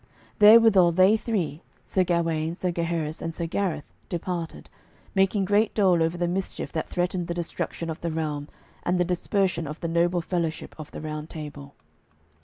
Therewithal they three, Sir Gawaine, Sir Gaheris, and Sir Gareth departed, making great dole over the mischief that threatened the destruction of the realm and the dispersion of the noble fellowship of the Round Table.